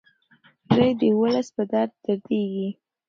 دی د ولس په درد دردیږي.